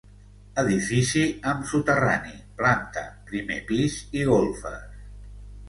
Edifici amb soterrani, planta, primer pis i golfes.